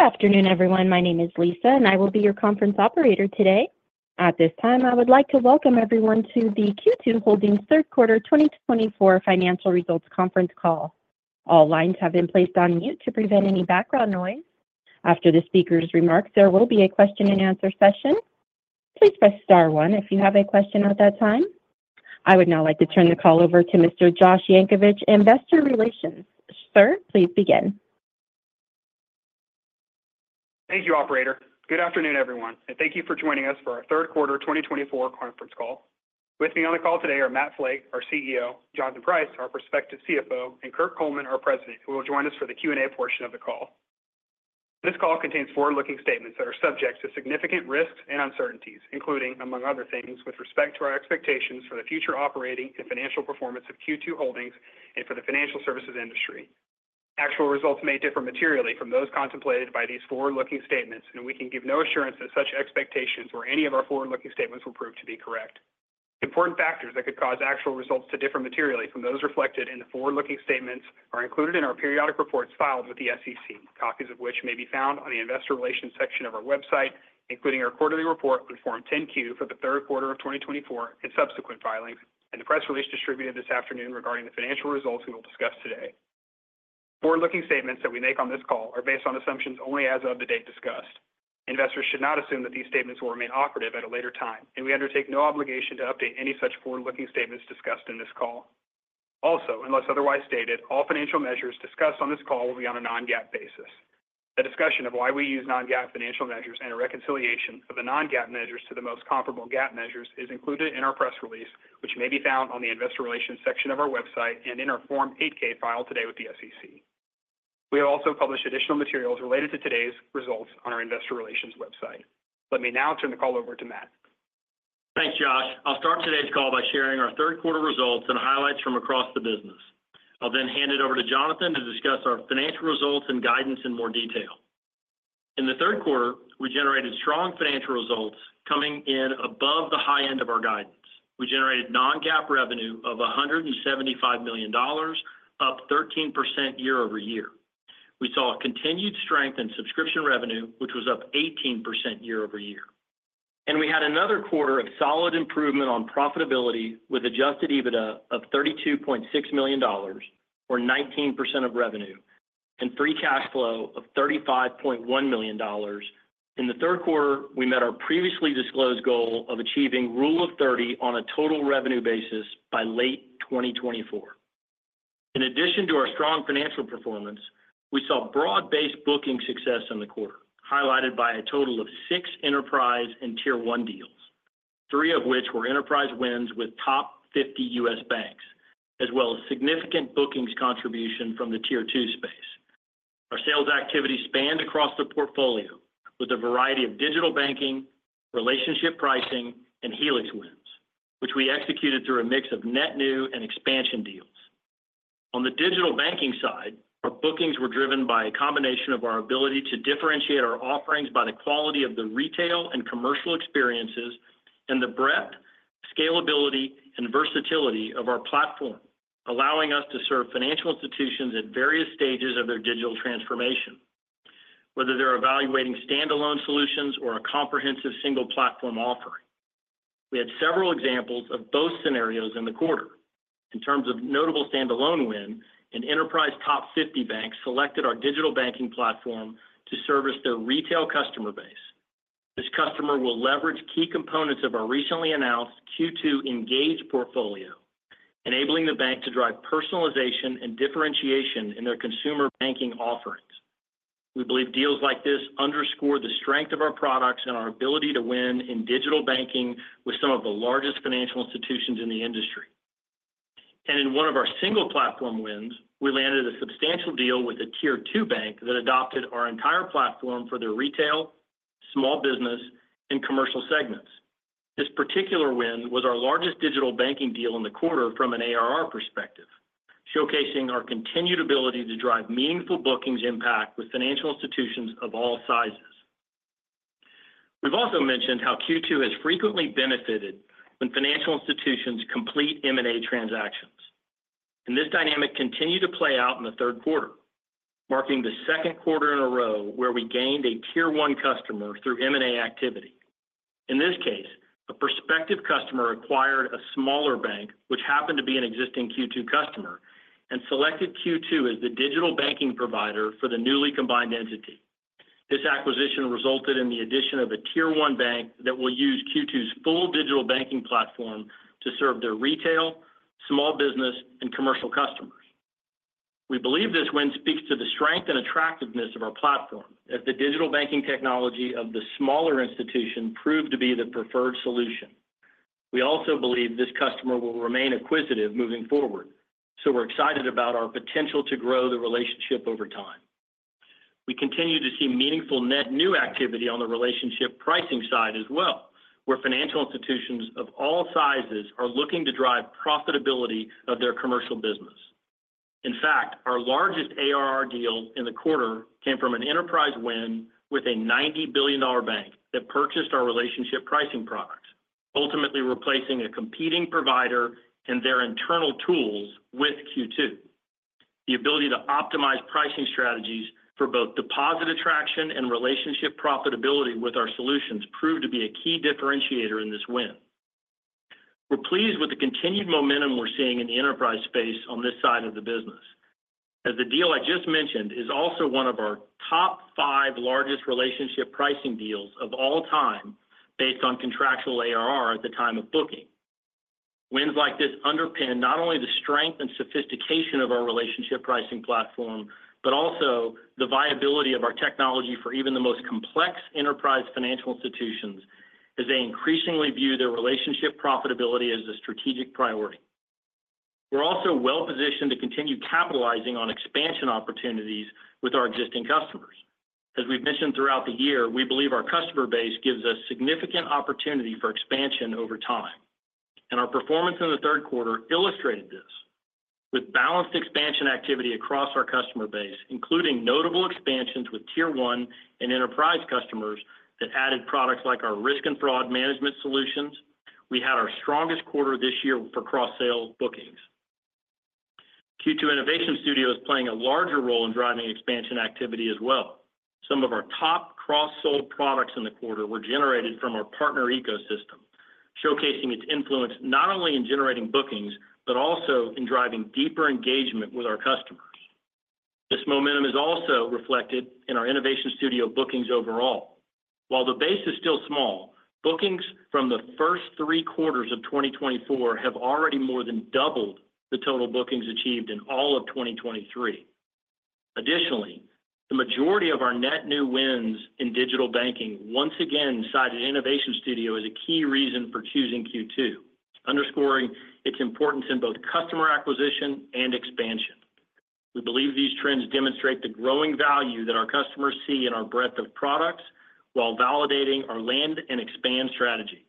Good afternoon, everyone. My name is Lisa, and I will be your conference operator today. At this time, I would like to welcome everyone to the Q2 Holdings third quarter 2024 financial results conference call. All lines have been placed on mute to prevent any background noise. After the speaker's remarks, there will be a question-and-answer session. Please press star one if you have a question at that time. I would now like to turn the call over to Mr. Josh Yankovich, Investor Relations. Sir, please begin. Thank you, Operator. Good afternoon, everyone, and thank you for joining us for our third quarter 2024 conference call. With me on the call today are Matt Flake, our CEO; Jonathan Price, our prospective CFO; and Kirk Coleman, our President, who will join us for the Q&A portion of the call. This call contains forward-looking statements that are subject to significant risks and uncertainties, including, among other things, with respect to our expectations for the future operating and financial performance of Q2 Holdings and for the financial services industry. Actual results may differ materially from those contemplated by these forward-looking statements, and we can give no assurance that such expectations or any of our forward-looking statements will prove to be correct. Important factors that could cause actual results to differ materially from those reflected in the forward-looking statements are included in our periodic reports filed with the SEC, copies of which may be found on the Investor Relations section of our website, including our quarterly report, Form 10-Q, for the third quarter of 2024 and subsequent filings, and the press release distributed this afternoon regarding the financial results we will discuss today. Forward-looking statements that we make on this call are based on assumptions only as of the date discussed. Investors should not assume that these statements will remain operative at a later time, and we undertake no obligation to update any such forward-looking statements discussed in this call. Also, unless otherwise stated, all financial measures discussed on this call will be on a non-GAAP basis. The discussion of why we use non-GAAP financial measures and a reconciliation of the non-GAAP measures to the most comparable GAAP measures is included in our press release, which may be found on the Investor Relations section of our website and in our Form 8-K filed today with the SEC. We have also published additional materials related to today's results on our Investor Relations website. Let me now turn the call over to Matt. Thanks, Josh. I'll start today's call by sharing our third quarter results and highlights from across the business. I'll then hand it over to Jonathan to discuss our financial results and guidance in more detail. In the third quarter, we generated strong financial results coming in above the high end of our guidance. We generated non-GAAP revenue of $175 million, up 13% year over year. We saw continued strength in subscription revenue, which was up 18% year over year. And we had another quarter of solid improvement on profitability with adjusted EBITDA of $32.6 million, or 19% of revenue, and free cash flow of $35.1 million. In the third quarter, we met our previously disclosed goal of achieving Rule of 30 on a total revenue basis by late 2024. In addition to our strong financial performance, we saw broad-based booking success in the quarter, highlighted by a total of six enterprise and Tier 1 deals, three of which were enterprise wins with top 50 U.S. banks, as well as significant bookings contribution from the Tier 2 space. Our sales activity spanned across the portfolio with a variety of digital banking, Relationship Pricing, and Helix wins, which we executed through a mix of net new and expansion deals. On the digital banking side, our bookings were driven by a combination of our ability to differentiate our offerings by the quality of the retail and commercial experiences and the breadth, scalability, and versatility of our platform, allowing us to serve financial institutions at various stages of their digital transformation, whether they're evaluating standalone solutions or a comprehensive single platform offering. We had several examples of both scenarios in the quarter. In terms of notable standalone win, an enterprise top 50 bank selected our digital banking platform to service their retail customer base. This customer will leverage key components of our recently announced Q2 Engage portfolio, enabling the bank to drive personalization and differentiation in their consumer banking offerings. We believe deals like this underscore the strength of our products and our ability to win in digital banking with some of the largest financial institutions in the industry, and in one of our single platform wins, we landed a substantial deal with a Tier 2 bank that adopted our entire platform for their retail, small business, and commercial segments. This particular win was our largest digital banking deal in the quarter from an ARR perspective, showcasing our continued ability to drive meaningful bookings impact with financial institutions of all sizes. We've also mentioned how Q2 has frequently benefited when financial institutions complete M&A transactions, and this dynamic continued to play out in the third quarter, marking the second quarter in a row where we gained a Tier 1 customer through M&A activity. In this case, a prospective customer acquired a smaller bank, which happened to be an existing Q2 customer, and selected Q2 as the digital banking provider for the newly combined entity. This acquisition resulted in the addition of a Tier 1 bank that will use Q2's full digital banking platform to serve their retail, small business, and commercial customers. We believe this win speaks to the strength and attractiveness of our platform as the digital banking technology of the smaller institution proved to be the preferred solution. We also believe this customer will remain acquisitive moving forward, so we're excited about our potential to grow the relationship over time. We continue to see meaningful net new activity on the Relationship Pricing side as well, where financial institutions of all sizes are looking to drive profitability of their commercial business. In fact, our largest ARR deal in the quarter came from an enterprise win with a $90 billion bank that purchased our Relationship Pricing product, ultimately replacing a competing provider and their internal tools with Q2. The ability to optimize pricing strategies for both deposit attraction and relationship profitability with our solutions proved to be a key differentiator in this win. We're pleased with the continued momentum we're seeing in the enterprise space on this side of the business, as the deal I just mentioned is also one of our top five largest Relationship Pricing deals of all time based on contractual ARR at the time of booking. Wins like this underpin not only the strength and sophistication of our Relationship Pricing platform, but also the viability of our technology for even the most complex enterprise financial institutions as they increasingly view their relationship profitability as a strategic priority. We're also well-positioned to continue capitalizing on expansion opportunities with our existing customers. As we've mentioned throughout the year, we believe our customer base gives us significant opportunity for expansion over time. And our performance in the third quarter illustrated this. With balanced expansion activity across our customer base, including notable expansions with Tier 1 and enterprise customers that added products like our risk and fraud management solutions, we had our strongest quarter this year for cross-sell bookings. Q2 Innovation Studio is playing a larger role in driving expansion activity as well. Some of our top cross-sold products in the quarter were generated from our partner ecosystem, showcasing its influence not only in generating bookings, but also in driving deeper engagement with our customers. This momentum is also reflected in our Innovation Studio bookings overall. While the base is still small, bookings from the first three quarters of 2024 have already more than doubled the total bookings achieved in all of 2023. Additionally, the majority of our net new wins in digital banking once again cited Innovation Studio as a key reason for choosing Q2, underscoring its importance in both customer acquisition and expansion. We believe these trends demonstrate the growing value that our customers see in our breadth of products while validating our land and expand strategy.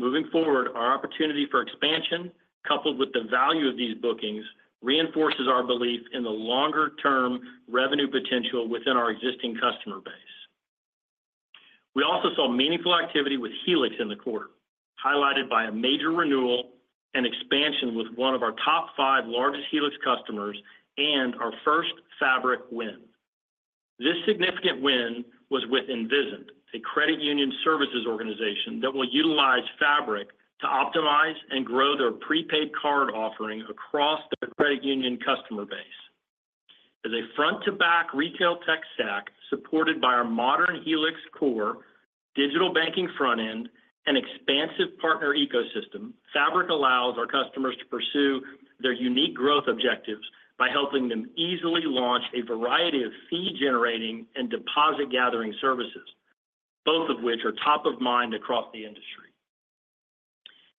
Moving forward, our opportunity for expansion, coupled with the value of these bookings, reinforces our belief in the longer-term revenue potential within our existing customer base. We also saw meaningful activity with Helix in the quarter, highlighted by a major renewal and expansion with one of our top five largest Helix customers and our first Fabric win. This significant win was with Envisant, a credit union services organization that will utilize Fabric to optimize and grow their prepaid card offering across the credit union customer base. As a front-to-back retail tech stack supported by our modern Helix core, digital banking front end, and expansive partner ecosystem, Fabric allows our customers to pursue their unique growth objectives by helping them easily launch a variety of fee-generating and deposit-gathering services, both of which are top of mind across the industry.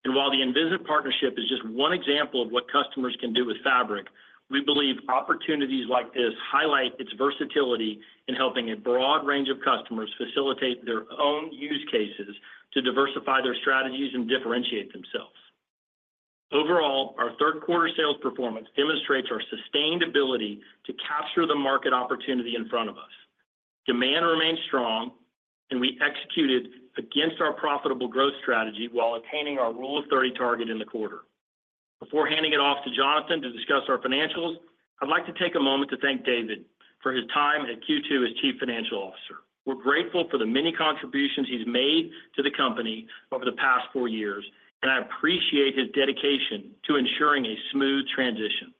And while the Envisant partnership is just one example of what customers can do with Fabric, we believe opportunities like this highlight its versatility in helping a broad range of customers facilitate their own use cases to diversify their strategies and differentiate themselves. Overall, our third quarter sales performance demonstrates our sustained ability to capture the market opportunity in front of us. Demand remained strong, and we executed against our profitable growth strategy while attaining our Rule of 30 target in the quarter. Before handing it off to Jonathan to discuss our financials, I'd like to take a moment to thank David for his time at Q2 as Chief Financial Officer. We're grateful for the many contributions he's made to the company over the past four years, and I appreciate his dedication to ensuring a smooth transition.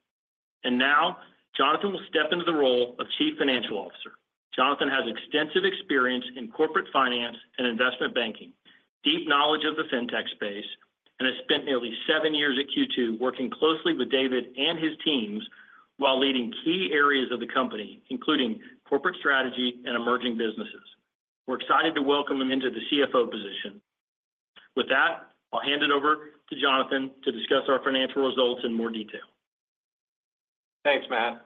And now, Jonathan will step into the role of Chief Financial Officer. Jonathan has extensive experience in corporate finance and investment banking, deep knowledge of the fintech space, and has spent nearly seven years at Q2 working closely with David and his teams while leading key areas of the company, including corporate strategy and emerging businesses. We're excited to welcome him into the CFO position. With that, I'll hand it over to Jonathan to discuss our financial results in more detail. Thanks, Matt.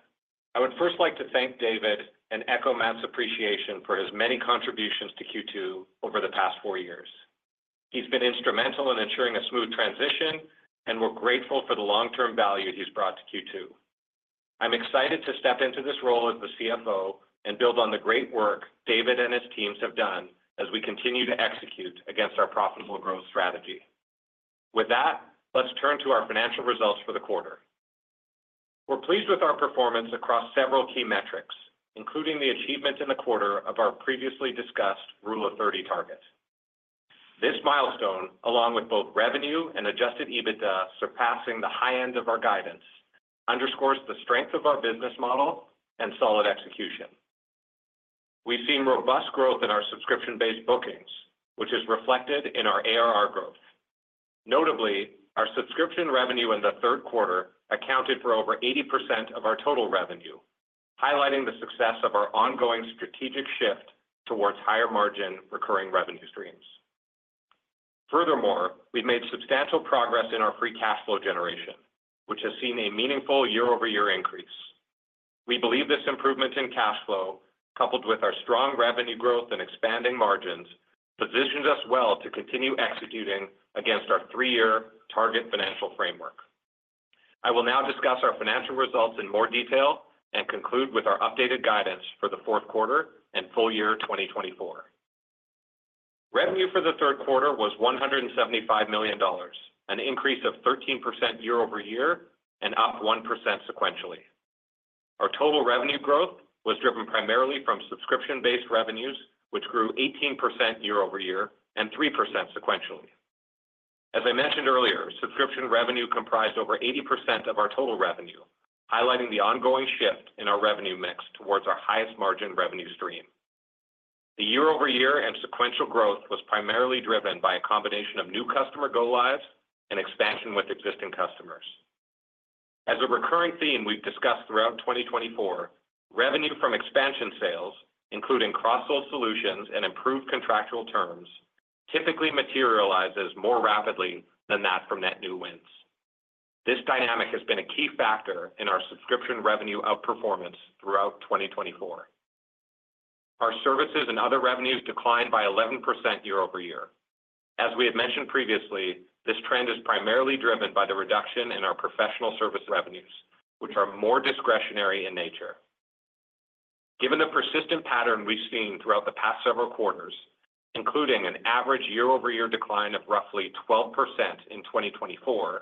I would first like to thank David and echo Matt's appreciation for his many contributions to Q2 over the past four years. He's been instrumental in ensuring a smooth transition, and we're grateful for the long-term value he's brought to Q2. I'm excited to step into this role as the CFO and build on the great work David and his teams have done as we continue to execute against our profitable growth strategy. With that, let's turn to our financial results for the quarter. We're pleased with our performance across several key metrics, including the achievement in the quarter of our previously discussed Rule of 30 target. This milestone, along with both revenue and adjusted EBITDA surpassing the high end of our guidance, underscores the strength of our business model and solid execution. We've seen robust growth in our subscription-based bookings, which is reflected in our ARR growth. Notably, our subscription revenue in the third quarter accounted for over 80% of our total revenue, highlighting the success of our ongoing strategic shift towards higher margin recurring revenue streams. Furthermore, we've made substantial progress in our free cash flow generation, which has seen a meaningful year-over-year increase. We believe this improvement in cash flow, coupled with our strong revenue growth and expanding margins, positions us well to continue executing against our three-year target financial framework. I will now discuss our financial results in more detail and conclude with our updated guidance for the fourth quarter and full year 2024. Revenue for the third quarter was $175 million, an increase of 13% year-over-year and up 1% sequentially. Our total revenue growth was driven primarily from subscription-based revenues, which grew 18% year-over-year and 3% sequentially. As I mentioned earlier, subscription revenue comprised over 80% of our total revenue, highlighting the ongoing shift in our revenue mix towards our highest margin revenue stream. The year-over-year and sequential growth was primarily driven by a combination of new customer go-lives and expansion with existing customers. As a recurring theme we've discussed throughout 2024, revenue from expansion sales, including cross-sold solutions and improved contractual terms, typically materializes more rapidly than that from net new wins. This dynamic has been a key factor in our subscription revenue outperformance throughout 2024. Our services and other revenues declined by 11% year-over-year. As we have mentioned previously, this trend is primarily driven by the reduction in our professional service revenues, which are more discretionary in nature. Given the persistent pattern we've seen throughout the past several quarters, including an average year-over-year decline of roughly 12% in 2024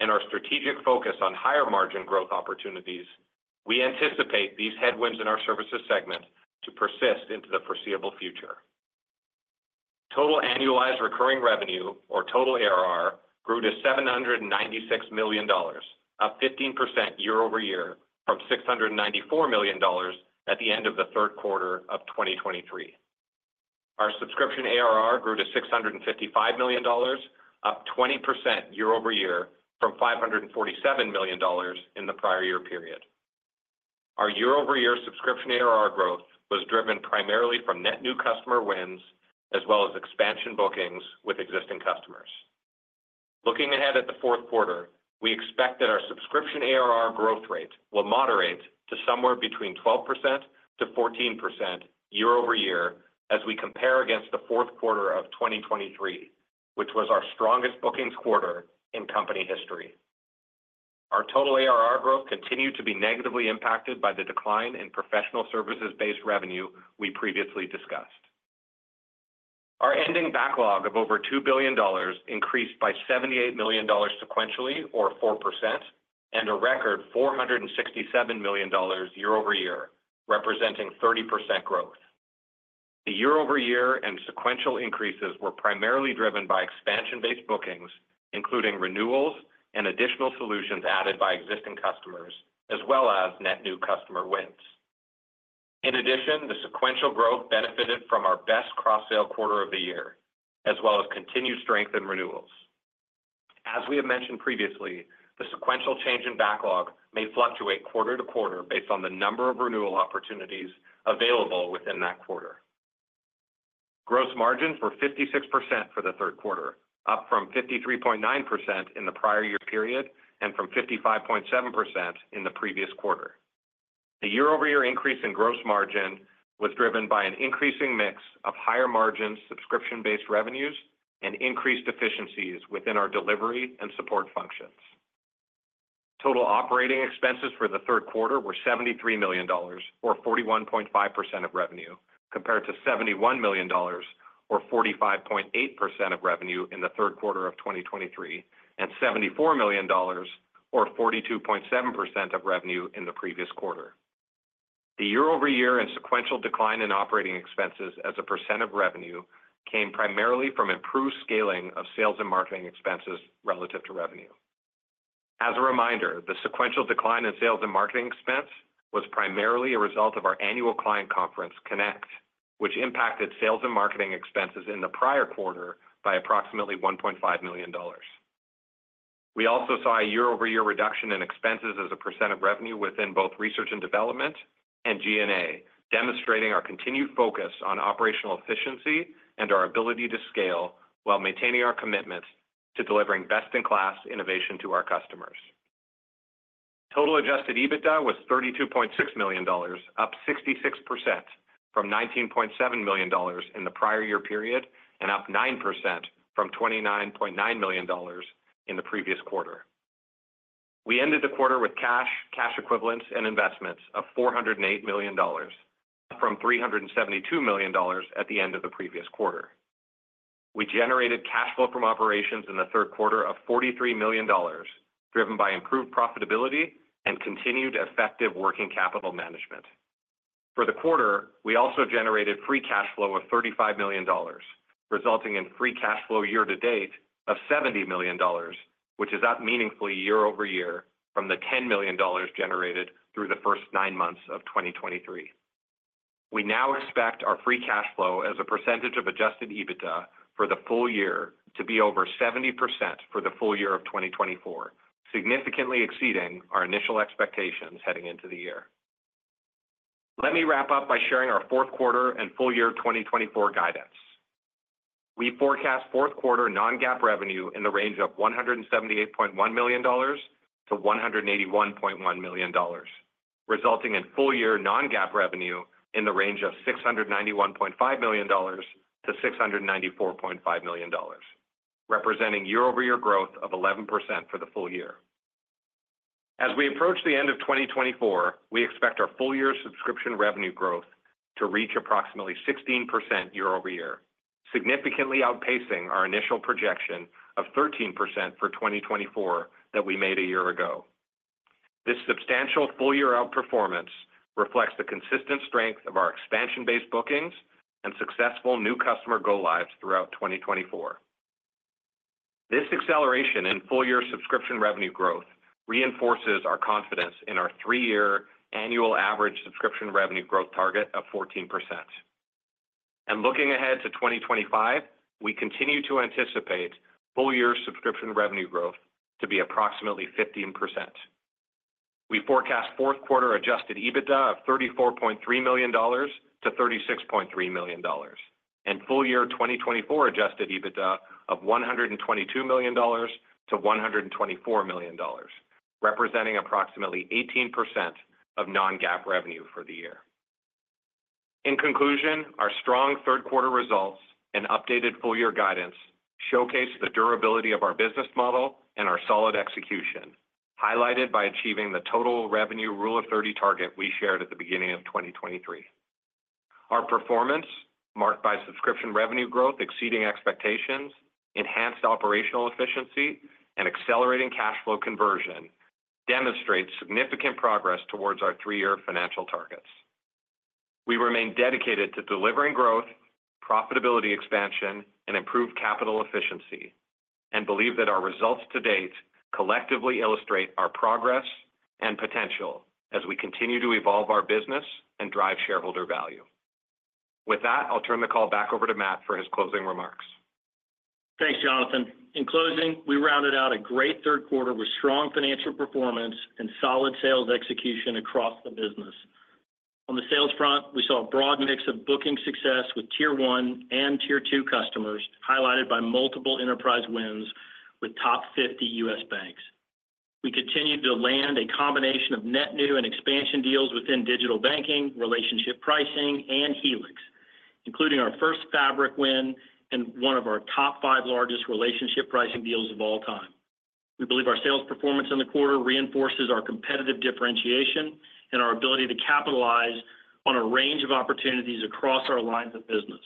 and our strategic focus on higher margin growth opportunities, we anticipate these headwinds in our services segment to persist into the foreseeable future. Total annualized recurring revenue, or total ARR, grew to $796 million, up 15% year-over-year from $694 million at the end of the third quarter of 2023. Our subscription ARR grew to $655 million, up 20% year-over-year from $547 million in the prior year period. Our year-over-year subscription ARR growth was driven primarily from net new customer wins as well as expansion bookings with existing customers. Looking ahead at the fourth quarter, we expect that our subscription ARR growth rate will moderate to somewhere between 12%-14% year-over-year as we compare against the fourth quarter of 2023, which was our strongest bookings quarter in company history. Our total ARR growth continued to be negatively impacted by the decline in professional services-based revenue we previously discussed. Our ending backlog of over $2 billion increased by $78 million sequentially, or 4%, and a record $467 million year-over-year, representing 30% growth. The year-over-year and sequential increases were primarily driven by expansion-based bookings, including renewals and additional solutions added by existing customers, as well as net new customer wins. In addition, the sequential growth benefited from our best cross-sell quarter of the year, as well as continued strength in renewals. As we have mentioned previously, the sequential change in backlog may fluctuate quarter to quarter based on the number of renewal opportunities available within that quarter. Gross margins were 56% for the third quarter, up from 53.9% in the prior year period and from 55.7% in the previous quarter. The year-over-year increase in gross margin was driven by an increasing mix of higher margin subscription-based revenues and increased efficiencies within our delivery and support functions. Total operating expenses for the third quarter were $73 million, or 41.5% of revenue, compared to $71 million, or 45.8% of revenue in the third quarter of 2023, and $74 million, or 42.7% of revenue in the previous quarter. The year-over-year and sequential decline in operating expenses as a percent of revenue came primarily from improved scaling of sales and marketing expenses relative to revenue. As a reminder, the sequential decline in sales and marketing expense was primarily a result of our annual client conference, Connect, which impacted sales and marketing expenses in the prior quarter by approximately $1.5 million. We also saw a year-over-year reduction in expenses as a percent of revenue within both research and development and G&A, demonstrating our continued focus on operational efficiency and our ability to scale while maintaining our commitment to delivering best-in-class innovation to our customers. Total adjusted EBITDA was $32.6 million, up 66% from $19.7 million in the prior year period and up 9% from $29.9 million in the previous quarter. We ended the quarter with cash, cash equivalents, and investments of $408 million, up from $372 million at the end of the previous quarter. We generated cash flow from operations in the third quarter of $43 million, driven by improved profitability and continued effective working capital management. For the quarter, we also generated free cash flow of $35 million, resulting in free cash flow year-to-date of $70 million, which is up meaningfully year-over-year from the $10 million generated through the first nine months of 2023. We now expect our free cash flow as a percentage of adjusted EBITDA for the full year to be over 70% for the full year of 2024, significantly exceeding our initial expectations heading into the year. Let me wrap up by sharing our fourth quarter and full year 2024 guidance. We forecast fourth quarter non-GAAP revenue in the range of $178.1 million-$181.1 million, resulting in full year non-GAAP revenue in the range of $691.5 million-$694.5 million, representing year-over-year growth of 11% for the full year. As we approach the end of 2024, we expect our full year subscription revenue growth to reach approximately 16% year-over-year, significantly outpacing our initial projection of 13% for 2024 that we made a year ago. This substantial full year outperformance reflects the consistent strength of our expansion-based bookings and successful new customer go-lives throughout 2024. This acceleration in full year subscription revenue growth reinforces our confidence in our three-year annual average subscription revenue growth target of 14%. And looking ahead to 2025, we continue to anticipate full year subscription revenue growth to be approximately 15%. We forecast fourth quarter adjusted EBITDA of $34.3 million-$36.3 million, and full year 2024 adjusted EBITDA of $122 million-$124 million, representing approximately 18% of non-GAAP revenue for the year. In conclusion, our strong third quarter results and updated full year guidance showcase the durability of our business model and our solid execution, highlighted by achieving the total revenue Rule of 30 target we shared at the beginning of 2023. Our performance, marked by subscription revenue growth exceeding expectations, enhanced operational efficiency, and accelerating cash flow conversion, demonstrates significant progress towards our three-year financial targets. We remain dedicated to delivering growth, profitability expansion, and improved capital efficiency, and believe that our results to date collectively illustrate our progress and potential as we continue to evolve our business and drive shareholder value. With that, I'll turn the call back over to Matt for his closing remarks. Thanks, Jonathan. In closing, we rounded out a great third quarter with strong financial performance and solid sales execution across the business. On the sales front, we saw a broad mix of booking success with Tier 1 and Tier 2 customers, highlighted by multiple enterprise wins with top 50 U.S. banks. We continued to land a combination of net new and expansion deals within digital banking, Relationship Pricing, and Helix, including our first Fabric win and one of our top five largest Relationship Pricing deals of all time. We believe our sales performance in the quarter reinforces our competitive differentiation and our ability to capitalize on a range of opportunities across our lines of business.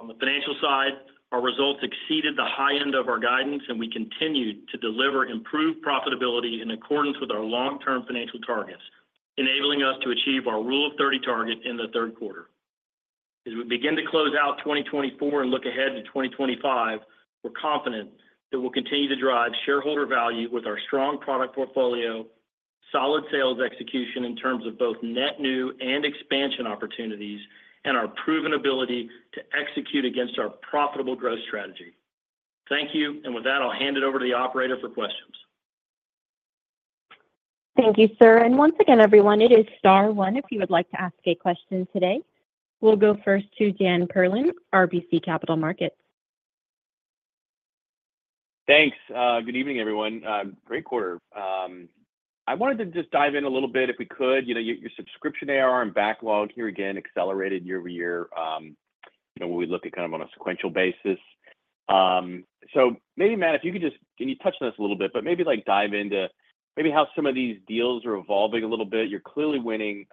On the financial side, our results exceeded the high end of our guidance, and we continued to deliver improved profitability in accordance with our long-term financial targets, enabling us to achieve our Rule of 30 target in the third quarter. As we begin to close out 2024 and look ahead to 2025, we're confident that we'll continue to drive shareholder value with our strong product portfolio, solid sales execution in terms of both net new and expansion opportunities, and our proven ability to execute against our profitable growth strategy. Thank you, and with that, I'll hand it over to the operator for questions. Thank you, sir. And once again, everyone, it is star one if you would like to ask a question today. We'll go first to Dan Perlin, RBC Capital Markets. Thanks. Good evening, everyone. Great quarter. I wanted to just dive in a little bit if we could. Your subscription ARR and backlog here again accelerated year-over-year when we look at kind of on a sequential basis. So maybe, Matt, if you could just, can you touch on this a little bit, but maybe dive into maybe how some of these deals are evolving a little bit. You're clearly winning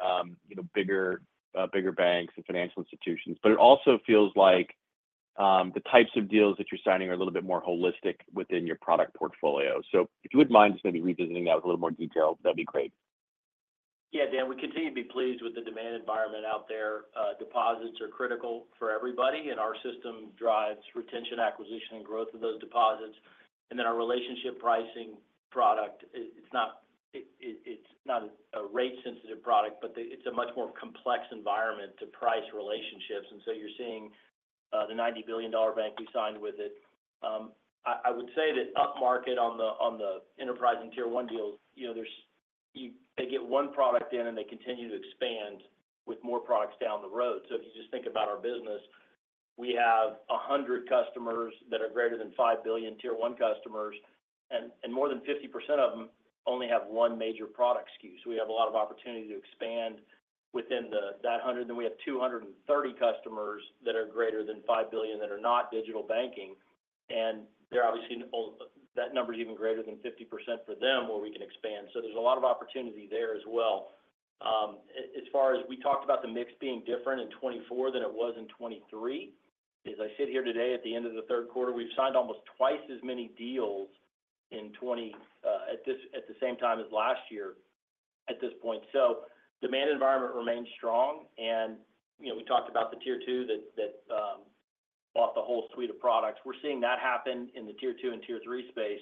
bigger banks and financial institutions, but it also feels like the types of deals that you're signing are a little bit more holistic within your product portfolio. So if you wouldn't mind just maybe revisiting that with a little more detail, that'd be great. Yeah, Dan, we continue to be pleased with the demand environment out there. Deposits are critical for everybody, and our system drives retention, acquisition, and growth of those deposits. And then our Relationship Pricing product, it's not a rate-sensitive product, but it's a much more complex environment to price relationships. And so you're seeing the $90 billion bank we signed with it. I would say that upmarket on the enterprise and Tier 1 deals, they get one product in, and they continue to expand with more products down the road. So if you just think about our business, we have 100 customers that are greater than 5 billion Tier 1 customers, and more than 50% of them only have one major product SKU. So we have a lot of opportunity to expand within that 100. Then we have 230 customers that are greater than five billion that are not digital banking, and they're obviously that number is even greater than 50% for them where we can expand. So there's a lot of opportunity there as well. As far as we talked about the mix being different in 2024 than it was in 2023, as I sit here today at the end of the third quarter, we've signed almost twice as many deals at the same time as last year at this point. So demand environment remains strong, and we talked about the Tier 2 that bought the whole suite of products. We're seeing that happen in the Tier 2 and Tier 3 space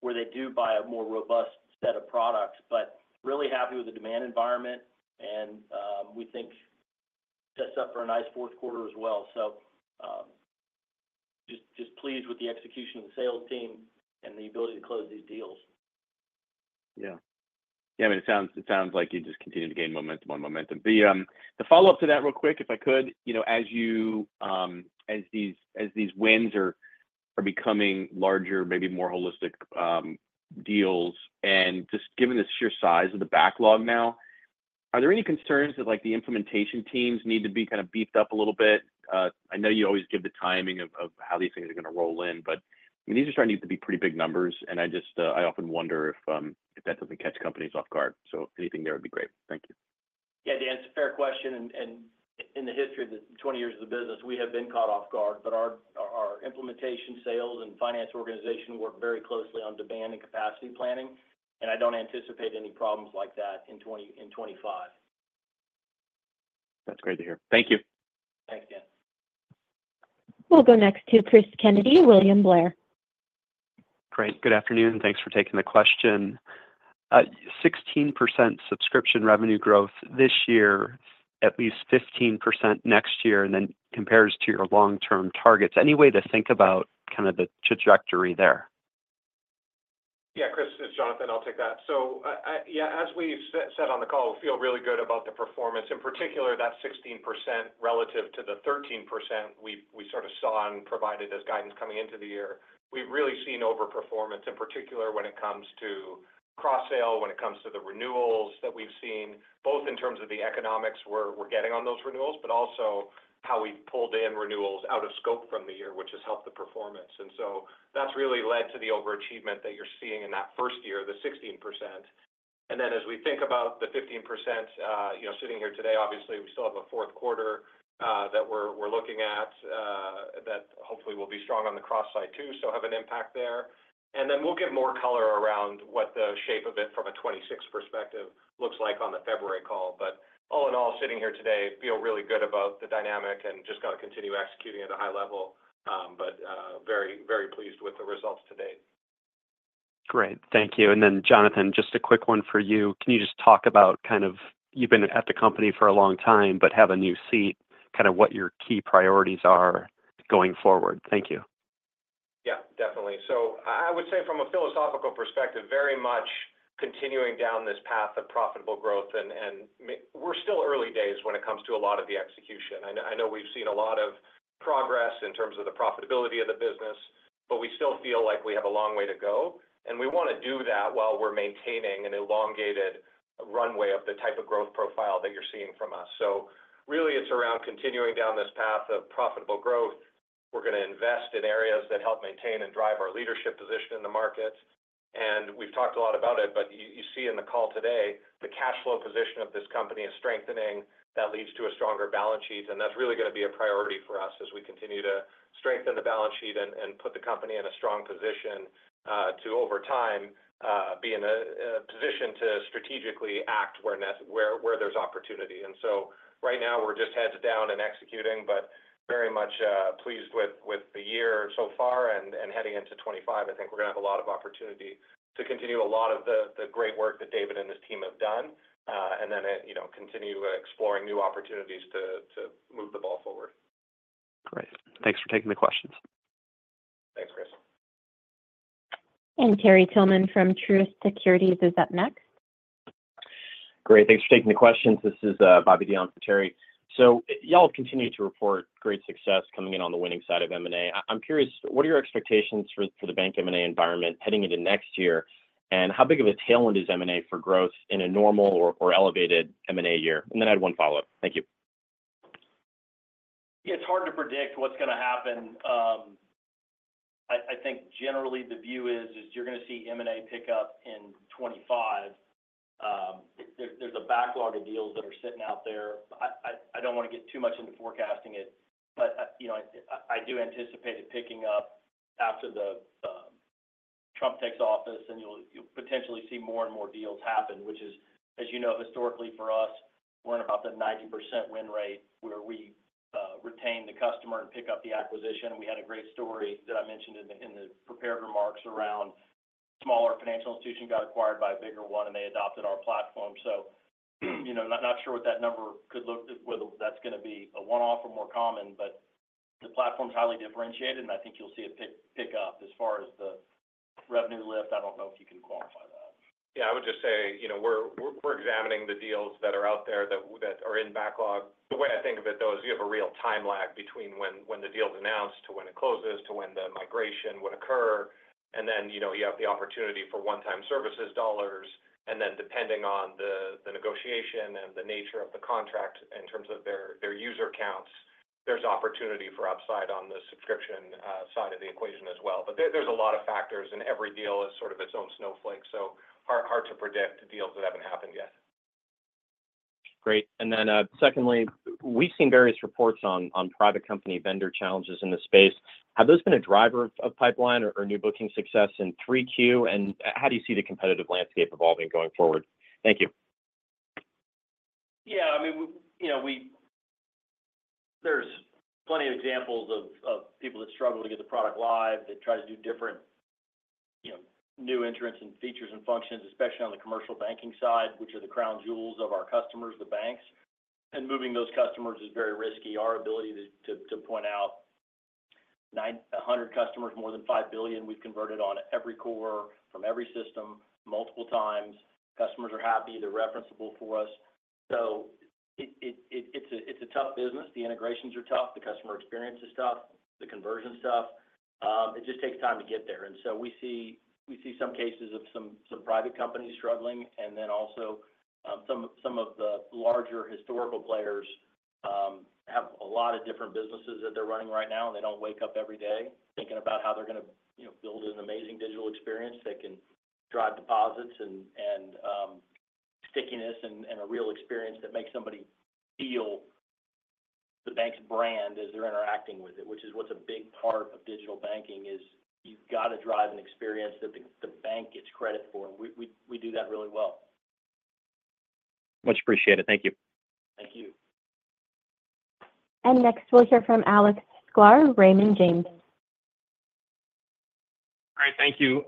where they do buy a more robust set of products, but really happy with the demand environment, and we think sets up for a nice fourth quarter as well. So just pleased with the execution of the sales team and the ability to close these deals. Yeah. Yeah, I mean, it sounds like you just continue to gain momentum on momentum. The follow-up to that real quick, if I could, as these wins are becoming larger, maybe more holistic deals, and just given the sheer size of the backlog now, are there any concerns that the implementation teams need to be kind of beefed up a little bit? I know you always give the timing of how these things are going to roll in, but these are starting to be pretty big numbers, and I often wonder if that doesn't catch companies off guard. So anything there would be great. Thank you. Yeah, Dan, it's a fair question. And in the history of the 20 years of the business, we have been caught off guard, but our implementation, sales, and finance organization work very closely on demand and capacity planning, and I don't anticipate any problems like that in 2025. That's great to hear. Thank you. Thanks, Dan. We'll go next to Chris Kennedy, William Blair. Great. Good afternoon. Thanks for taking the question. 16% subscription revenue growth this year, at least 15% next year, and then compares to your long-term targets. Any way to think about kind of the trajectory there? Yeah, Chris, it's Jonathan. I'll take that. So yeah, as we've said on the call, we feel really good about the performance, in particular that 16% relative to the 13% we sort of saw and provided as guidance coming into the year. We've really seen overperformance, in particular when it comes to cross-sell, when it comes to the renewals that we've seen, both in terms of the economics we're getting on those renewals, but also how we've pulled in renewals out of scope from the year, which has helped the performance. And so that's really led to the overachievement that you're seeing in that first year, the 16%. And then as we think about the 15% sitting here today, obviously, we still have a fourth quarter that we're looking at that hopefully will be strong on the cross-sell side too, so have an impact there. And then we'll give more color around what the shape of it from a 2026 perspective looks like on the February call. But all in all, sitting here today, feel really good about the dynamic and just going to continue executing at a high level, but very, very pleased with the results to date. Great. Thank you. And then, Jonathan, just a quick one for you. Can you just talk about kind of you've been at the company for a long time, but have a new seat, kind of what your key priorities are going forward? Thank you. Yeah, definitely. So I would say from a philosophical perspective, very much continuing down this path of profitable growth, and we're still early days when it comes to a lot of the execution. I know we've seen a lot of progress in terms of the profitability of the business, but we still feel like we have a long way to go, and we want to do that while we're maintaining an elongated runway of the type of growth profile that you're seeing from us. So really, it's around continuing down this path of profitable growth. We're going to invest in areas that help maintain and drive our leadership position in the markets. And we've talked a lot about it, but you see in the call today, the cash flow position of this company is strengthening. That leads to a stronger balance sheet, and that's really going to be a priority for us as we continue to strengthen the balance sheet and put the company in a strong position to, over time, be in a position to strategically act where there's opportunity. And so right now, we're just heads down and executing, but very much pleased with the year so far and heading into 2025. I think we're going to have a lot of opportunity to continue a lot of the great work that David and his team have done, and then continue exploring new opportunities to move the ball forward. Great. Thanks for taking the questions. Thanks, Chris. Terry Tillman from Truist Securities is up next. Great. Thanks for taking the questions. This is Bobby Dion for Terry. So y'all continue to report great success coming in on the winning side of M&A. I'm curious, what are your expectations for the bank M&A environment heading into next year, and how big of a tailwind is M&A for growth in a normal or elevated M&A year? And then I had one follow-up. Thank you. Yeah, it's hard to predict what's going to happen. I think generally the view is you're going to see M&A pick up in 2025. There's a backlog of deals that are sitting out there. I don't want to get too much into forecasting it, but I do anticipate it picking up after the Trump takes office, and you'll potentially see more and more deals happen, which is, as you know, historically for us, we're in about the 90% win rate where we retain the customer and pick up the acquisition. We had a great story that I mentioned in the prepared remarks around a smaller financial institution got acquired by a bigger one, and they adopted our platform. So, not sure what that number could look whether that's going to be a one-off or more common, but the platform's highly differentiated, and I think you'll see it pick up as far as the revenue lift. I don't know if you can quantify that. Yeah, I would just say we're examining the deals that are out there that are in backlog. The way I think of it, though, is you have a real time lag between when the deal is announced to when it closes, to when the migration would occur, and then you have the opportunity for one-time services dollars. And then depending on the negotiation and the nature of the contract in terms of their user counts, there's opportunity for upside on the subscription side of the equation as well. But there's a lot of factors, and every deal is sort of its own snowflake, so hard to predict deals that haven't happened yet. Great. And then secondly, we've seen various reports on private company vendor challenges in the space. Have those been a driver of pipeline or new booking success in Q3, and how do you see the competitive landscape evolving going forward? Thank you. Yeah, I mean, there's plenty of examples of people that struggle to get the product live, that try to do different new entrants and features and functions, especially on the commercial banking side, which are the crown jewels of our customers, the banks. And moving those customers is very risky. Our ability to point out 100 customers, more than 5 billion, we've converted on every core from every system multiple times. Customers are happy. They're referenceable for us. So it's a tough business. The integrations are tough. The customer experience is tough. The conversion's tough. It just takes time to get there. And so we see some cases of some private companies struggling, and then also some of the larger historical players have a lot of different businesses that they're running right now, and they don't wake up every day thinking about how they're going to build an amazing digital experience that can drive deposits and stickiness and a real experience that makes somebody feel the bank's brand as they're interacting with it, which is what's a big part of digital banking. You've got to drive an experience that the bank gets credit for. We do that really well. Much appreciated. Thank you. Thank you. Next, we'll hear from Alex Sklar, Raymond James. Great. Thank you.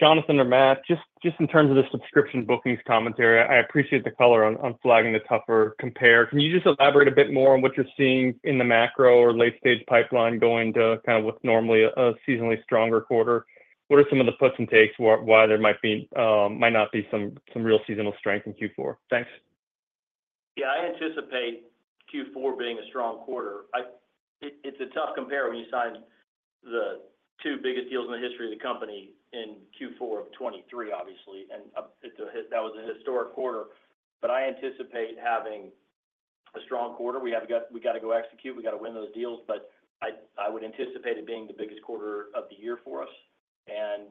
Jonathan or Matt, just in terms of the subscription bookings commentary, I appreciate the color on flagging the tougher compare. Can you just elaborate a bit more on what you're seeing in the macro or late-stage pipeline going to kind of what's normally a seasonally stronger quarter? What are some of the puts and takes, why there might not be some real seasonal strength in Q4? Thanks. Yeah, I anticipate Q4 being a strong quarter. It's a tough compare when you sign the two biggest deals in the history of the company in Q4 of 2023, obviously, and that was a historic quarter. But I anticipate having a strong quarter. We got to go execute. We got to win those deals, but I would anticipate it being the biggest quarter of the year for us and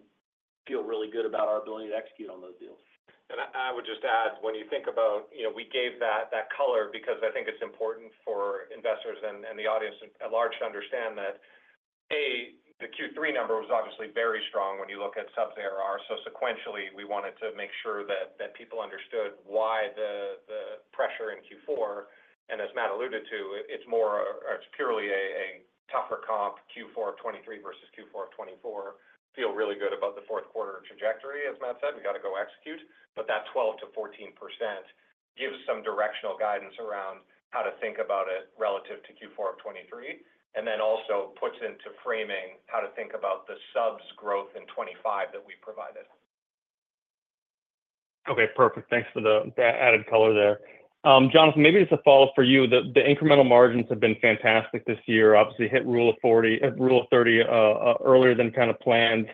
feel really good about our ability to execute on those deals. I would just add, when you think about we gave that color because I think it's important for investors and the audience at large to understand that, A, the Q3 number was obviously very strong when you look at subs ARR. So sequentially, we wanted to make sure that people understood why the pressure in Q4. And as Matt alluded to, it's purely a tougher comp, Q4 of 2023 versus Q4 of 2024. We feel really good about the fourth quarter trajectory, as Matt said. We got to go execute. But that 12%-14% gives some directional guidance around how to think about it relative to Q4 of 2023, and then also puts into framing how to think about the subs growth in 2025 that we provided. Okay. Perfect. Thanks for the added color there. Jonathan, maybe just a follow-up for you. The incremental margins have been fantastic this year. Obviously, hit Rule of 30 earlier than kind of planned.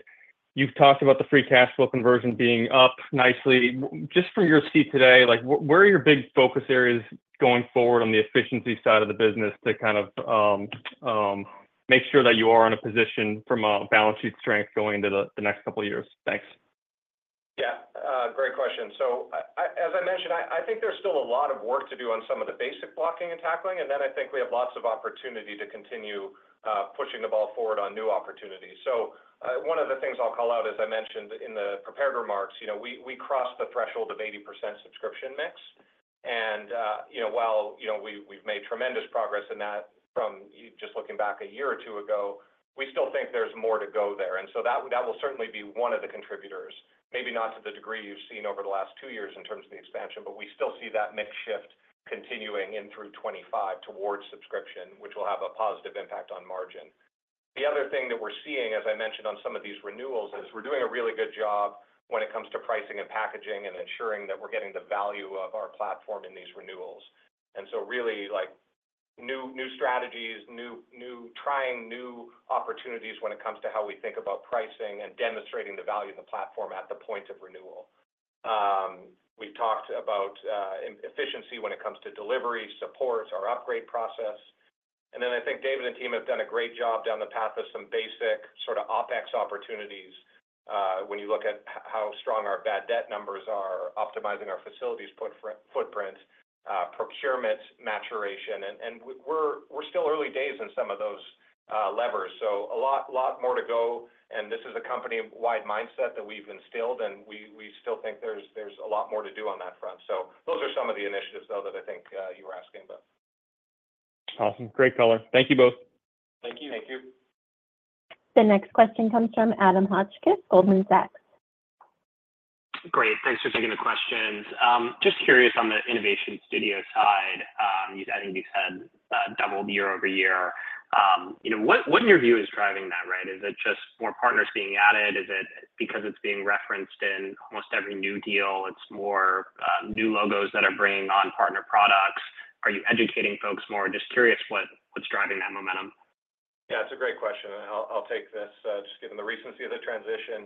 You've talked about the free cash flow conversion being up nicely. Just from your seat today, where are your big focus areas going forward on the efficiency side of the business to kind of make sure that you are in a position from a balance sheet strength going into the next couple of years? Thanks. Yeah. Great question. So as I mentioned, I think there's still a lot of work to do on some of the basic blocking and tackling, and then I think we have lots of opportunity to continue pushing the ball forward on new opportunities. So one of the things I'll call out, as I mentioned in the prepared remarks, we crossed the threshold of 80% subscription mix. And while we've made tremendous progress in that from just looking back a year or two ago, we still think there's more to go there. And so that will certainly be one of the contributors, maybe not to the degree you've seen over the last two years in terms of the expansion, but we still see that mix shift continuing in through 2025 towards subscription, which will have a positive impact on margin. The other thing that we're seeing, as I mentioned on some of these renewals, is we're doing a really good job when it comes to pricing and packaging and ensuring that we're getting the value of our platform in these renewals, and so really new strategies, trying new opportunities when it comes to how we think about pricing and demonstrating the value of the platform at the point of renewal. We've talked about efficiency when it comes to delivery, supports, our upgrade process, and then I think David and team have done a great job down the path of some basic sort of OpEx opportunities when you look at how strong our bad debt numbers are, optimizing our facilities footprint, procurement maturation, and we're still early days in some of those levers. So a lot more to go, and this is a company-wide mindset that we've instilled, and we still think there's a lot more to do on that front. So those are some of the initiatives, though, that I think you were asking about. Awesome. Great color. Thank you both. Thank you. Thank you. The next question comes from Adam Hotchkiss, Goldman Sachs. Great. Thanks for taking the questions. Just curious on the Innovation Studio side, I think you said double year over year. What in your view is driving that, right? Is it just more partners being added? Is it because it's being referenced in almost every new deal? It's more new logos that are bringing on partner products? Are you educating folks more? Just curious what's driving that momentum. Yeah, it's a great question, and I'll take this just given the recency of the transition.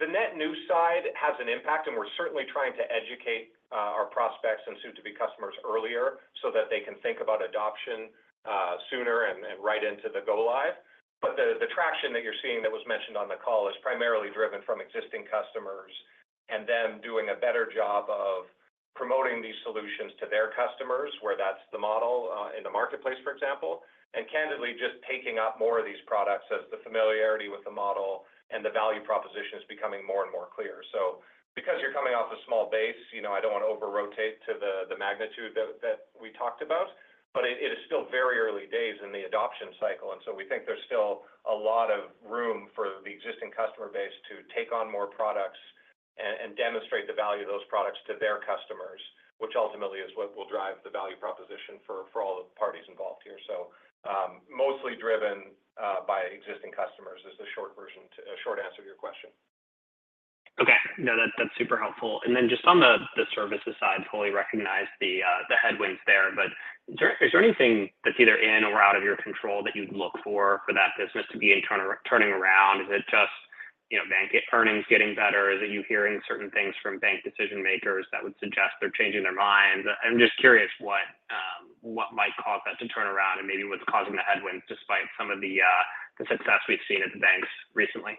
The net new side has an impact, and we're certainly trying to educate our prospects and soon-to-be customers earlier so that they can think about adoption sooner and right into the go-live. But the traction that you're seeing that was mentioned on the call is primarily driven from existing customers and them doing a better job of promoting these solutions to their customers where that's the model in the marketplace, for example, and candidly just taking up more of these products as the familiarity with the model and the value proposition is becoming more and more clear. So because you're coming off a small base, I don't want to over-rotate to the magnitude that we talked about, but it is still very early days in the adoption cycle. And so we think there's still a lot of room for the existing customer base to take on more products and demonstrate the value of those products to their customers, which ultimately is what will drive the value proposition for all the parties involved here. So mostly driven by existing customers is the short answer to your question. Okay. No, that's super helpful. And then just on the services side, fully recognize the headwinds there, but is there anything that's either in or out of your control that you'd look for for that business to be turning around? Is it just bank earnings getting better? Is it you hearing certain things from bank decision-makers that would suggest they're changing their minds? I'm just curious what might cause that to turn around and maybe what's causing the headwinds despite some of the success we've seen at the banks recently?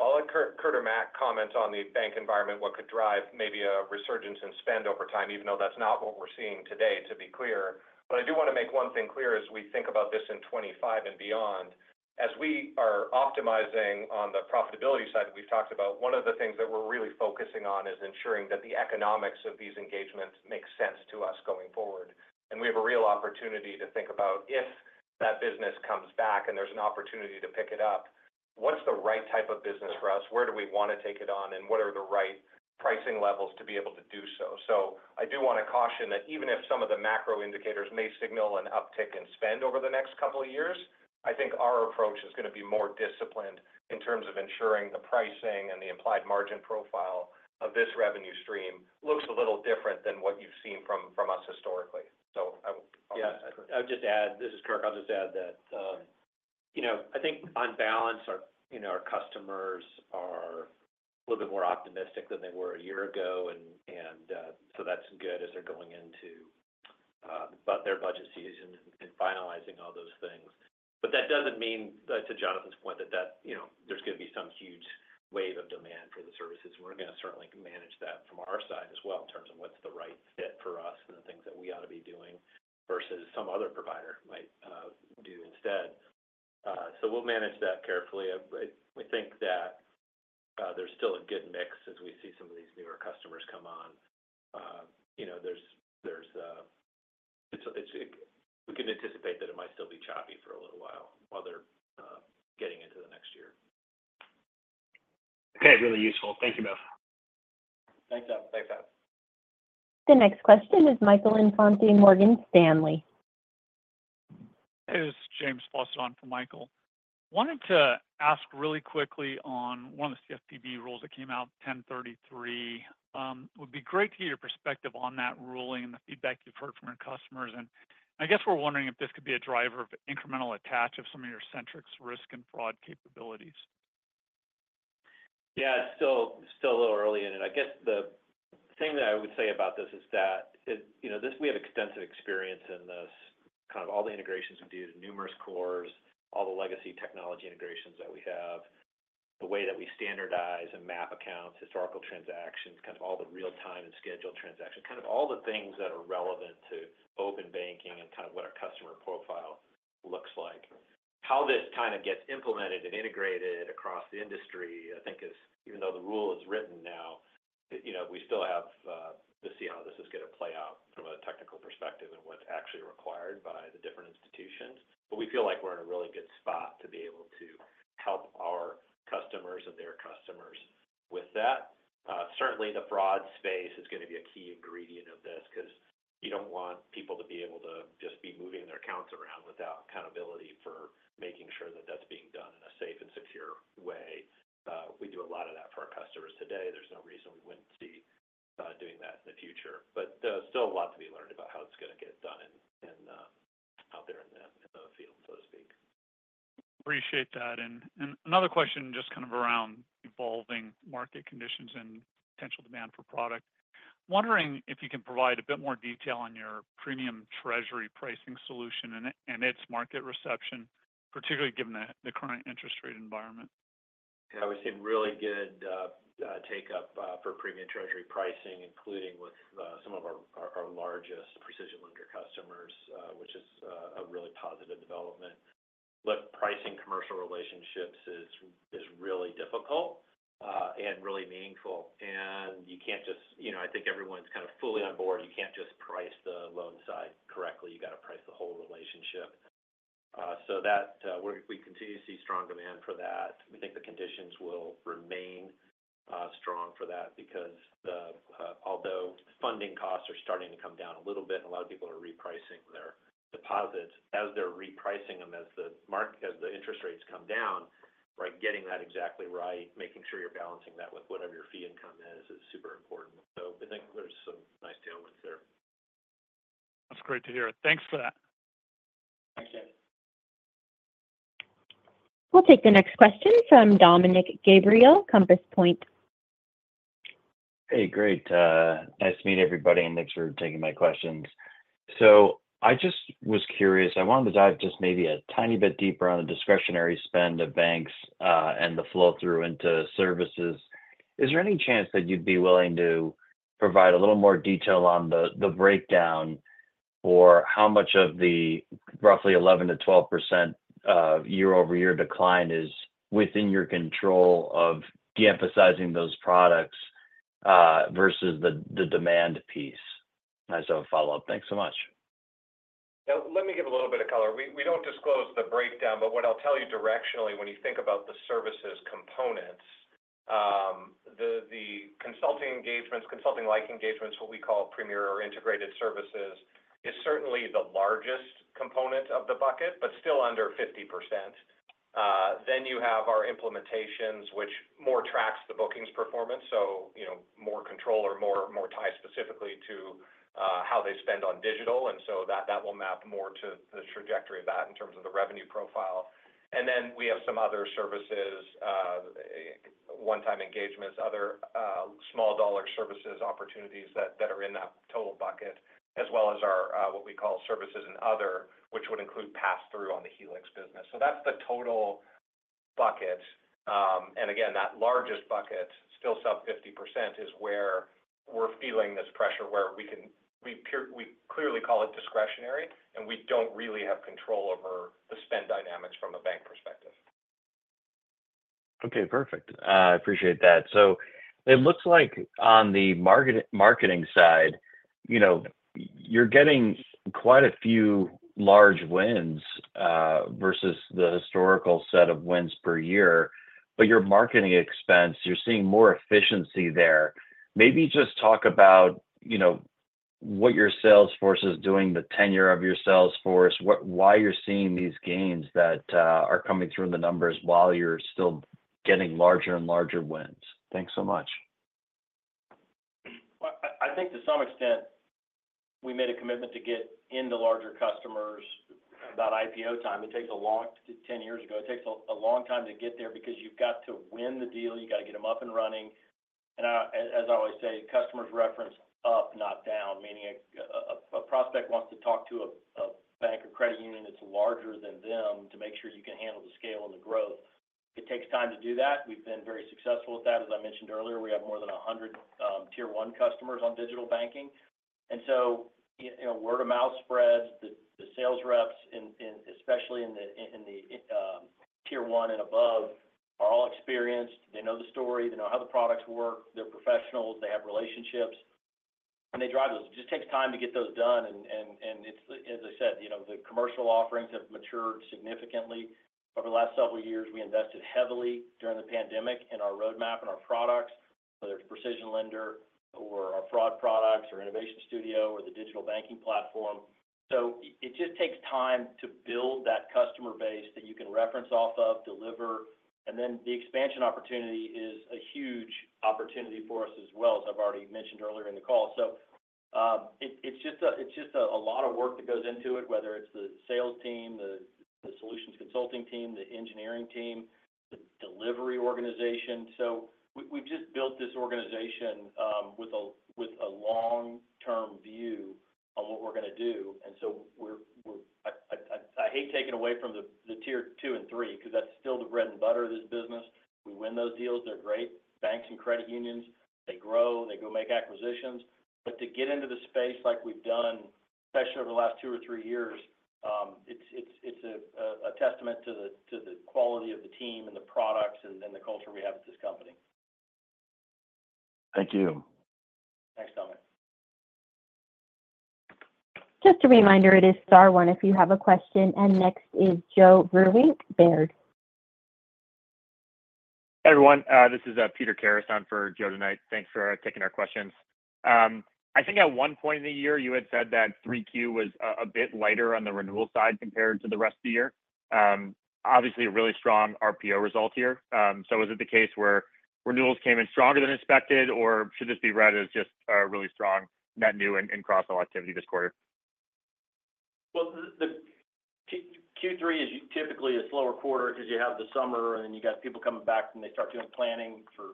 I'll let Kirk or Matt comment on the bank environment, what could drive maybe a resurgence in spend over time, even though that's not what we're seeing today, to be clear. But I do want to make one thing clear as we think about this in 2025 and beyond. As we are optimizing on the profitability side that we've talked about, one of the things that we're really focusing on is ensuring that the economics of these engagements make sense to us going forward. And we have a real opportunity to think about if that business comes back and there's an opportunity to pick it up, what's the right type of business for us? Where do we want to take it on, and what are the right pricing levels to be able to do so? So I do want to caution that even if some of the macro indicators may signal an uptick in spend over the next couple of years, I think our approach is going to be more disciplined in terms of ensuring the pricing and the implied margin profile of this revenue stream looks a little different than what you've seen from us historically. So I will. Yeah. I would just add, this is Kirk. I'll just add that I think on balance, our customers are a little bit more optimistic than they were a year ago, and so that's good as they're going into their budget season and finalizing all those things. But that doesn't mean, to Jonathan's point, that there's going to be some huge wave of demand for the services. We're going to certainly manage that from our side as well in terms of what's the right fit for us and the things that we ought to be doing versus some other provider might do instead. So we'll manage that carefully. We think that there's still a good mix as we see some of these newer customers come on. We can anticipate that it might still be choppy for a little while while they're getting into the next year. Okay. Really useful. Thank you both. Thanks, Adam. Thanks, Kirk. The next question is Michael Infante, Morgan Stanley. Hey, this is James Faucette from Morgan Stanley. Wanted to ask really quickly on one of the CFPB rules that came out 1033. It would be great to hear your perspective on that ruling and the feedback you've heard from your customers. And I guess we're wondering if this could be a driver of incremental attach of some of your Centrix risk and fraud capabilities. Yeah. Still a little early in it. I guess the thing that I would say about this is that we have extensive experience in this, kind of all the integrations we do to numerous cores, all the legacy technology integrations that we have, the way that we standardize and map accounts, historical transactions, kind of all the real-time and scheduled transactions, kind of all the things that are relevant to open banking and kind of what our customer profile looks like. How this kind of gets implemented and integrated across the industry, I think, is even though the rule is written now, we still have to see how this is going to play out from a technical perspective and what's actually required by the different institutions. But we feel like we're in a really good spot to be able to help our customers and their customers with that. Certainly, the fraud space is going to be a key ingredient of this because you don't want people to be able to just be moving their accounts around without accountability for making sure that that's being done in a safe and secure way. We do a lot of that for our customers today. There's no reason we wouldn't see doing that in the future, but there's still a lot to be learned about how it's going to get done out there in the field, so to speak. Appreciate that. And another question just kind of around evolving market conditions and potential demand for product. Wondering if you can provide a bit more detail on your Premium Treasury Pricing solution and its market reception, particularly given the current interest rate environment. Yeah. We've seen really good take-up for Premium Treasury Pricing, including with some of our largest PrecisionLender customers, which is a really positive development. But pricing commercial relationships is really difficult and really meaningful. And you can't just. I think everyone's kind of fully on board. You can't just price the loan side correctly. You got to price the whole relationship. So we continue to see strong demand for that. We think the conditions will remain strong for that because although funding costs are starting to come down a little bit, a lot of people are repricing their deposits. As they're repricing them, as the interest rates come down, getting that exactly right, making sure you're balancing that with whatever your fee income is, is super important. So I think there's some nice tailwinds there. That's great to hear. Thanks for that. Thanks, James. We'll take the next question from Dominick Gabriele, Compass Point. Hey, great. Nice to meet everybody, and thanks for taking my questions. So I just was curious. I wanted to dive just maybe a tiny bit deeper on the discretionary spend of banks and the flow through into services. Is there any chance that you'd be willing to provide a little more detail on the breakdown for how much of the roughly 11%-12% year-over-year decline is within your control of de-emphasizing those products versus the demand piece? Nice. As a follow-up. Thanks so much. Let me give a little bit of color. We don't disclose the breakdown, but what I'll tell you directionally, when you think about the services components, the consulting engagements, consulting-like engagements, what we call premier or integrated services, is certainly the largest component of the bucket, but still under 50%. Then you have our implementations, which more tracks the bookings performance, so more control or more tied specifically to how they spend on digital. And so that will map more to the trajectory of that in terms of the revenue profile. And then we have some other services, one-time engagements, other small-dollar services opportunities that are in that total bucket, as well as what we call services and other, which would include pass-through on the Helix business. So that's the total bucket. And again, that largest bucket, still sub 50%, is where we're feeling this pressure where we clearly call it discretionary, and we don't really have control over the spend dynamics from a bank perspective. Okay. Perfect. I appreciate that. So it looks like on the marketing side, you're getting quite a few large wins versus the historical set of wins per year, but your marketing expense, you're seeing more efficiency there. Maybe just talk about what your sales force is doing, the tenure of your sales force, why you're seeing these gains that are coming through in the numbers while you're still getting larger and larger wins. Thanks so much. I think to some extent, we made a commitment to get into larger customers about IPO time. It takes a long, 10 years ago, it takes a long time to get there because you've got to win the deal. You got to get them up and running. And as I always say, customers reference up, not down, meaning a prospect wants to talk to a bank or credit union that's larger than them to make sure you can handle the scale and the growth. It takes time to do that. We've been very successful with that. As I mentioned earlier, we have more than 100 Tier 1 customers on digital banking. And so word-of-mouth spreads, the sales reps, especially in the Tier 1 and above, are all experienced. They know the story. They know how the products work. They're professionals. They have relationships. And they drive those. It just takes time to get those done. And as I said, the commercial offerings have matured significantly. Over the last several years, we invested heavily during the pandemic in our roadmap and our products, whether it's PrecisionLender or our fraud products or Innovation Studio or the digital banking platform. So it just takes time to build that customer base that you can reference off of, deliver. And then the expansion opportunity is a huge opportunity for us as well, as I've already mentioned earlier in the call. So it's just a lot of work that goes into it, whether it's the sales team, the solutions consulting team, the engineering team, the delivery organization. So we've just built this organization with a long-term view on what we're going to do. And so I hate taking away from the Tier 2 and 3 because that's still the bread and butter of this business. We win those deals. They're great. Banks and credit unions, they grow. They go make acquisitions. But to get into the space like we've done, especially over the last two or three years, it's a testament to the quality of the team and the products and the culture we have at this company. Thank you. Thanks, Dominick. Just a reminder, it is star one if you have a question. And next is Joe Vruwink, Baird. Hey, everyone. This is Peter Kies on for Joe tonight. Thanks for taking our questions. I think at one point in the year, you had said that Q3 was a bit lighter on the renewal side compared to the rest of the year. Obviously, a really strong RPO result here. So was it the case where renewals came in stronger than expected, or should this be read as just a really strong net new and cross-sell activity this quarter? Well, Q3 is typically a slower quarter because you have the summer, and then you got people coming back, and they start doing planning for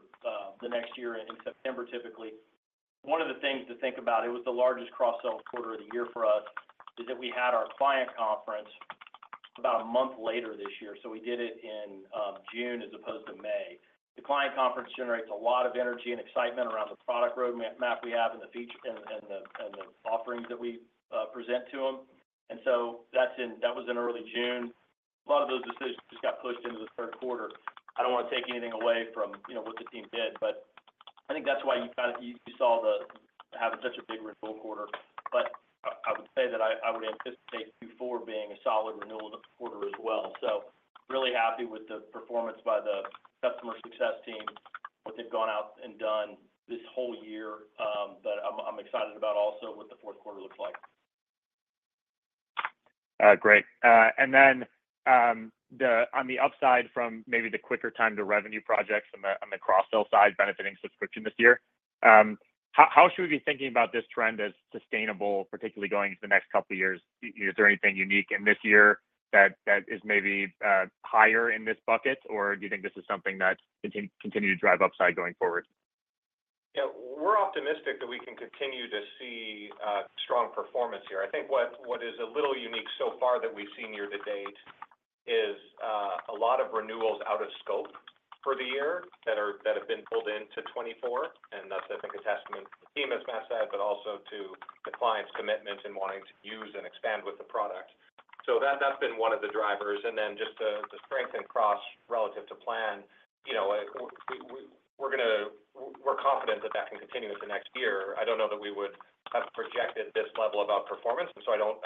the next year in September, typically. One of the things to think about - it was the largest cross-sell quarter of the year for us - is that we had our client conference about a month later this year. So we did it in June as opposed to May. The client conference generates a lot of energy and excitement around the product roadmap we have and the offerings that we present to them. And so that was in early June. A lot of those decisions just got pushed into the third quarter. I don't want to take anything away from what the team did, but I think that's why you saw the - have such a big renewal quarter. But I would say that I would anticipate Q4 being a solid renewal quarter as well. So really happy with the performance by the customer success team, what they've gone out and done this whole year. But I'm excited about also what the fourth quarter looks like. Great. And then on the upside from maybe the quicker time to revenue projects on the cross-sell side benefiting subscription this year, how should we be thinking about this trend as sustainable, particularly going into the next couple of years? Is there anything unique in this year that is maybe higher in this bucket, or do you think this is something that can continue to drive upside going forward? Yeah. We're optimistic that we can continue to see strong performance here. I think what is a little unique so far that we've seen year to date is a lot of renewals out of scope for the year that have been pulled into 2024. And that's, I think, a testament to the team at SmapSide, but also to the client's commitment and wanting to use and expand with the product. So that's been one of the drivers. And then just to strengthen cross relative to plan, we're confident that that can continue into next year. I don't know that we would have projected this level of outperformance. And so I don't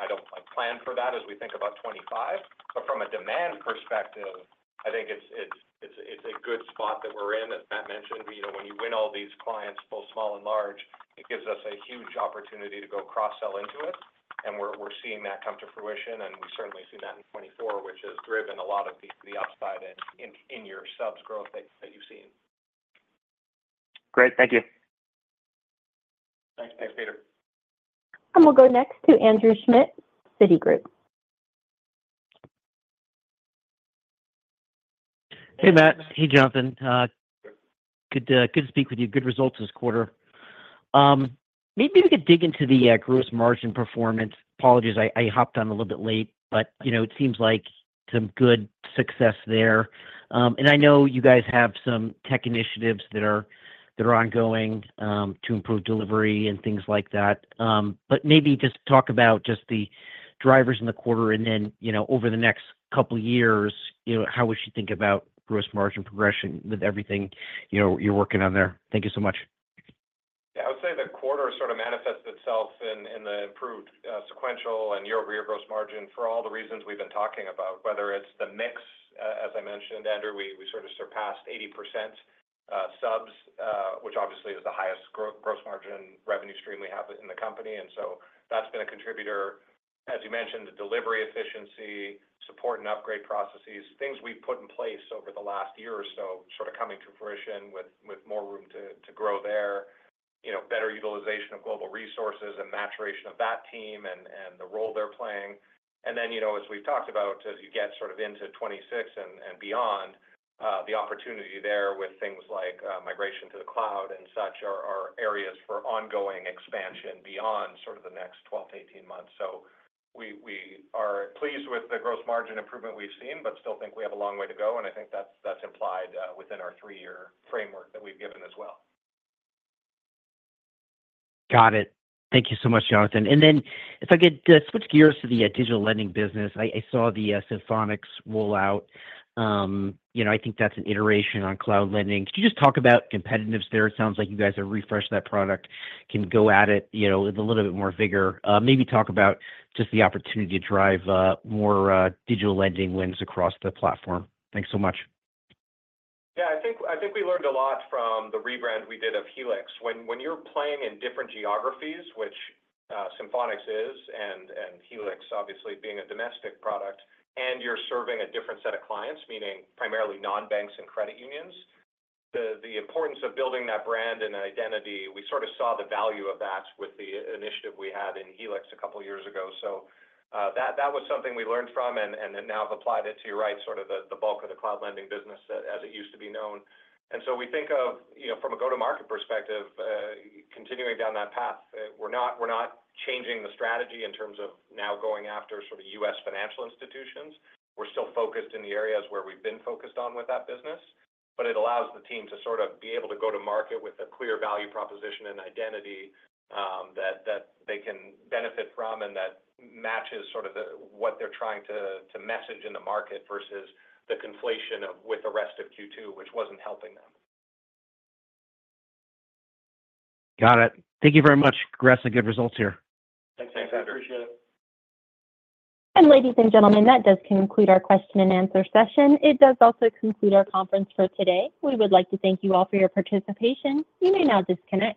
plan for that as we think about 2025. But from a demand perspective, I think it's a good spot that we're in. As Matt mentioned, when you win all these clients, both small and large, it gives us a huge opportunity to go cross-sell into it. And we're seeing that come to fruition. And we certainly see that in 2024, which has driven a lot of the upside in your subs growth that you've seen. Great. Thank you. Thanks, Peter. We'll go next to Andrew Schmidt, Citigroup. Hey, Matt. Hey, Jonathan. Good to speak with you. Good results this quarter. Maybe we could dig into the gross margin performance. Apologies, I hopped on a little bit late, but it seems like some good success there, and I know you guys have some tech initiatives that are ongoing to improve delivery and things like that, but maybe just talk about just the drivers in the quarter and then over the next couple of years, how would you think about gross margin progression with everything you're working on there? Thank you so much. Yeah. I would say the quarter sort of manifests itself in the improved sequential and year-over-year gross margin for all the reasons we've been talking about, whether it's the mix, as I mentioned. Andrew, we sort of surpassed 80% subs, which obviously is the highest gross margin revenue stream we have in the company. And so that's been a contributor, as you mentioned, the delivery efficiency, support and upgrade processes, things we've put in place over the last year or so sort of coming to fruition with more room to grow there, better utilization of global resources and maturation of that team and the role they're playing. And then, as we've talked about, as you get sort of into 2026 and beyond, the opportunity there with things like migration to the cloud and such are areas for ongoing expansion beyond sort of the next 12 to 18 months. We are pleased with the gross margin improvement we've seen, but still think we have a long way to go. I think that's implied within our three-year framework that we've given as well. Got it. Thank you so much, Jonathan, and then if I could switch gears to the digital lending business, I saw the Symphonix rollout. I think that's an iteration on cloud lending. Could you just talk about competitives there? It sounds like you guys have refreshed that product, can go at it with a little bit more vigor. Maybe talk about just the opportunity to drive more digital lending wins across the platform. Thanks so much. Yeah. I think we learned a lot from the rebrand we did of Helix. When you're playing in different geographies, which Symphonix is and Helix, obviously, being a domestic product, and you're serving a different set of clients, meaning primarily non-banks and credit unions, the importance of building that brand and identity, we sort of saw the value of that with the initiative we had in Helix a couple of years ago. So that was something we learned from and now have applied it to, you're right, sort of the bulk of the cloud lending business as it used to be known. And so we think of, from a go-to-market perspective, continuing down that path. We're not changing the strategy in terms of now going after sort of U.S. financial institutions. We're still focused in the areas where we've been focused on with that business, but it allows the team to sort of be able to go to market with a clear value proposition and identity that they can benefit from and that matches sort of what they're trying to message in the market versus the conflation with the rest of Q2, which wasn't helping them. Got it. Thank you very much. Congrats on good results here. Thanks, Andrew. Thanks, Andrew. Appreciate it. Ladies and gentlemen, that does conclude our question-and-answer session. It does also conclude our conference for today. We would like to thank you all for your participation. You may now disconnect.